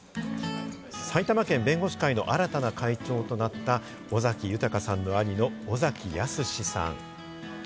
埼玉県弁護士会の新たな会長となった尾崎豊さんの兄の尾崎康さん。